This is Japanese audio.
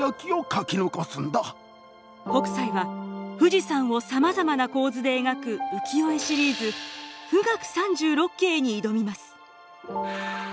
北斎は富士山をさまざまな構図で描く浮世絵シリーズ「冨嶽三十六景」に挑みます。